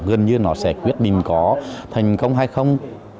gần như nó sẽ quyết định có thành công hay không